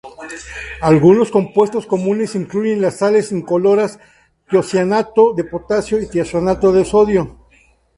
Algunos compuestos comunes incluyen las sales incoloras tiocianato de potasio y tiocianato de sodio.